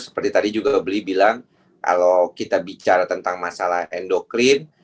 seperti tadi juga beli bilang kalau kita bicara tentang masalah endokrin